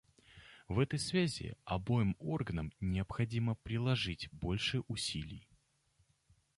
В этой связи обоим органам необходимо приложить больше усилий.